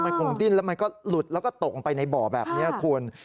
มันคงดิ้นแล้วมันก็หลุดแล้วก็ตกลงไปในบ่อแบบนี้คุณ